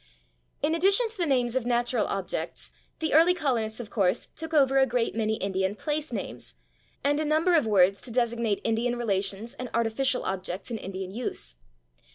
In addition to the names of natural objects, the early colonists, of course, took over a great many Indian place names, and a number of words to designate Indian relations and artificial objects in Indian use.